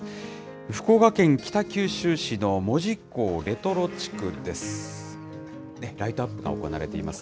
福岡県北九州市の門司港レトロ地区です。